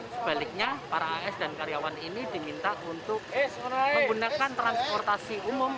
sebaliknya para as dan karyawan ini diminta untuk menggunakan transportasi umum